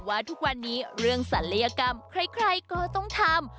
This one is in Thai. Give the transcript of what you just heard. ว่าทุกวันนี้เรื่องศัลยกรรมใครก็ต้องทำ